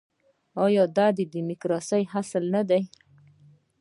آیا دا د ډیموکراسۍ اصل نه دی؟